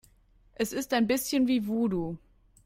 Es ist ein bisschen wie Voodoo.